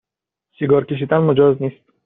سیگار کشیدن مجاز نیست